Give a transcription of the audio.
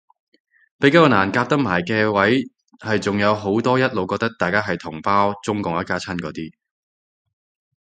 比較難夾得埋嘅位係仲有好多一路覺得大家係同胞中港一家親嗰啲